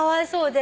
で